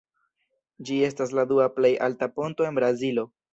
Ĝi estas la dua plej alta ponto en Brazilo.